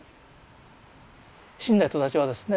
死んだ人たちはですね